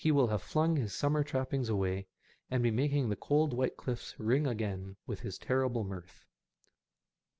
will have flung his summer trappings away, and be making the cold white cliffs ring again with his terrible mirth.